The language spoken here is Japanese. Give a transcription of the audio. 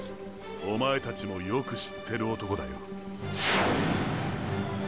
おまえたちもよく知ってる男だよ。